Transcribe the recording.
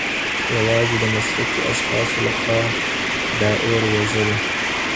يوازي د مسلکي اشخاصو له خوا د اور وژل!